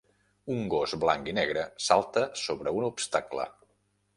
Un gos blanc i negre salta sobre un obstacle.